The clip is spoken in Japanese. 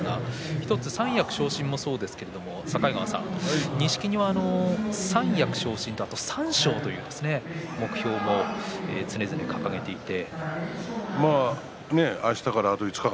１つ、三役昇進もそうですが境川さん、錦木は三役昇進と、あと三賞という目標も常々考えていて。